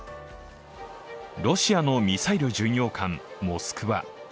ロシアのミサイル巡洋艦「モスクワ」。